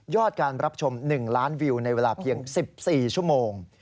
การรับชม๑ล้านวิวในเวลาเพียง๑๔ชั่วโมง